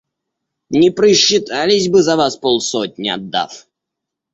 Не просчитались бы, за вас полсотни отдав.